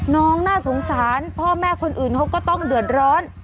น่าสงสารพ่อแม่คนอื่นเขาก็ต้องเดือดร้อน